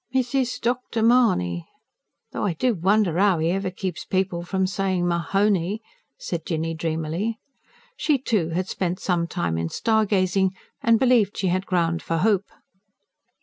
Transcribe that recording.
"Mrs. Dr. Mahony ... though I do wonder 'ow 'e ever keeps people from saying Ma HON y," said Jinny dreamily. She, too, had spent some time in star gazing, and believed she had ground for hope.